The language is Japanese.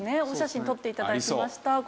お写真撮って頂きました。